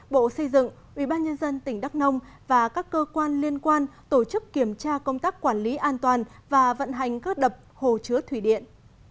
bộ xây dựng ubnd tỉnh đắk nông và các cơ quan liên quan tổ chức kiểm tra công tác quản lý an toàn và vận hành các đập hồ chứa thủy điện